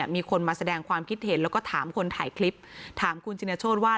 มีคนมาแสดงความคิดเห็นแล้วก็ถามคนถ่ายคลิปถามคุณชินโชธว่า